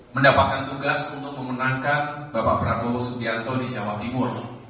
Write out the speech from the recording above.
mendapatkan tugas untuk memenangkan bapak prabowo subianto di jawa timur